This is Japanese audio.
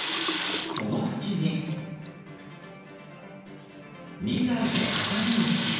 その隙に、２台で挟み撃ち。